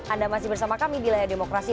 anda masih bersama kami di layar demokrasi